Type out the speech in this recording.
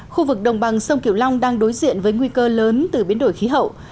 khu vực đồng bằng sông kiểu long đang đối diện với nguy cơ lớn từ biến đổi khí hậu